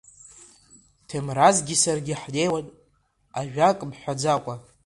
Ҭемразгьы саргьы ҳнеиуан, ажәак мҳәаӡакәа.